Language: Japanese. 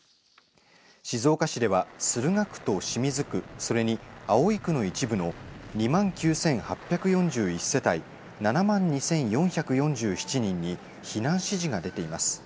静岡市では駿河区と清水区、それに葵区の一部の２万９８４１世帯７万２４４７人に避難指示が出ています。